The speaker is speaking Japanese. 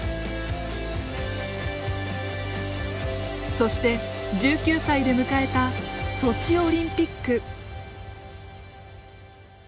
そして１９歳で迎えたソチオリンピック。